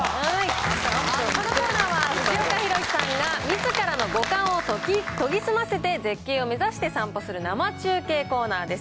このコーナーは藤岡弘、さんがみずからの五感を研ぎ澄ませて、絶景を目指して散歩する生中継コーナーです。